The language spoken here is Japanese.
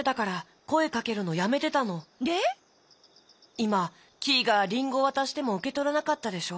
いまキイがりんごわたしてもうけとらなかったでしょ？